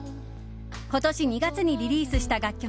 今年２月にリリースした楽曲